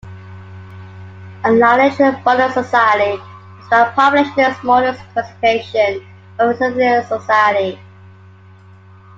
A lineage-bonded society is by population, the smallest classification of acephalous society.